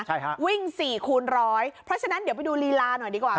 ใช่ฮะวิ่งสี่คูณร้อยเพราะฉะนั้นเดี๋ยวไปดูลีลาหน่อยดีกว่า